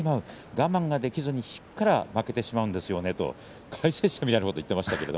我慢できずに引くから負けてしまうんですよねと解説者のような話をしていました。